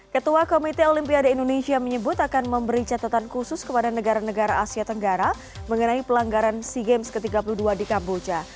ketua komite olimpiade indonesia menyebut akan memberi catatan khusus kepada negara negara asia tenggara mengenai pelanggaran sea games ke tiga puluh dua di kamboja